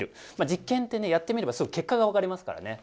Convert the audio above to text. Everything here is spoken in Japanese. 実験ってねやってみればすぐ結果がわかりますからね。